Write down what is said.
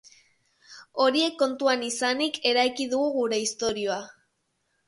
Horiek kontuan izanik eraiki dugu gure istorioa.